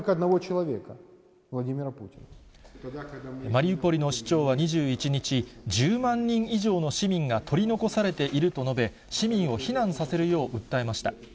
マリウポリの市長は２１日、１０万人以上の市民が取り残されていると述べ、市民を避難させるよう訴えました。